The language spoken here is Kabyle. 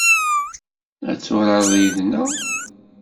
Ad turareḍ yid-neɣ?